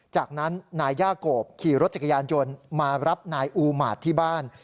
จากนั้นนายย่าโกบขี่รถจักรยานยนต์มารับนายอูมาตรที่บ้าน